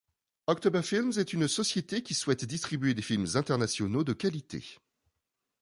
October Films est une société qui souhaite distribuer des films internationaux de qualité.